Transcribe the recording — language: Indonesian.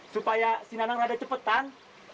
supaya si nanang rada cepetan